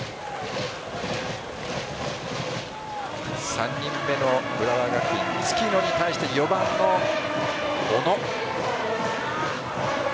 ３人目の浦和学院・月野に対して４番の小野。